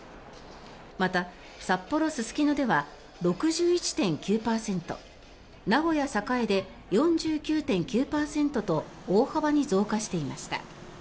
また、札幌・すすきのでは６１．９％名古屋・栄で４９．９％と大幅に増加していました。